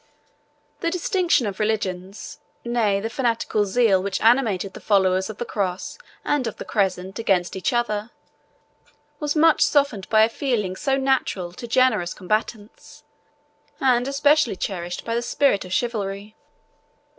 The distinction of religions, nay, the fanatical zeal which animated the followers of the Cross and of the Crescent against each other, was much softened by a feeling so natural to generous combatants, and especially cherished by the spirit of chivalry.